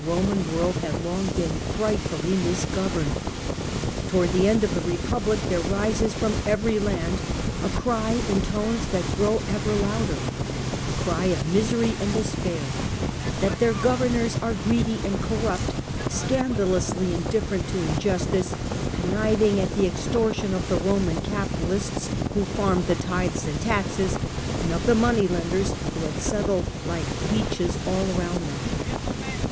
Roman world had long been frightfully mis governed. Towards the end of the Republic there rises from every land a cry in tones that grow ever louder — a cry of misery and despair — that their governors are greedy and corrupt, scandalously indifferent to justice, conniving at the exto\tion of the Roman capitalists who farmed the tithes and taxes, and of the money lenders, who had settled like leeches all around them.